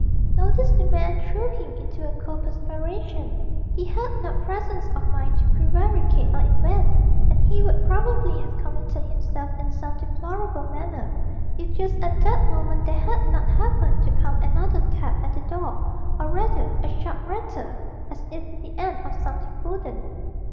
So this demand threw him into a cold perspiration; he had not presence of mind to prevaricate or invent, and he would probably have committed himself in some deplorable manner, if just at that moment there had not happened to come another tap at the door, or rather a sharp rattle, as if with the end of something wooden.